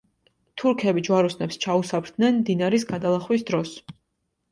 თურქები ჯვაროსნებს ჩაუსაფრდნენ მდინარის გადალახვის დროს.